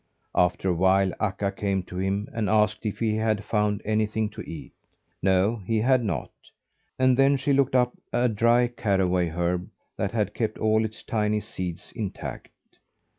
After a while Akka came to him, and asked if he had found anything to eat. No, he had not; and then she looked up a dry caraway herb, that had kept all its tiny seeds intact.